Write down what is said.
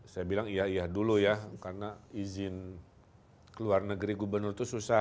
saya bilang iya iya dulu ya karena izin ke luar negeri gubernur itu susah